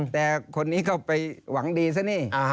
แต่คนนี้ก็ไปหวังดีซะนี่